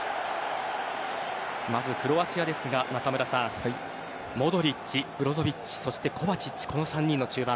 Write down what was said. まずクロアチアですが中村さんモドリッチ、ブロゾヴィッチそして、コバチッチという３人の中盤。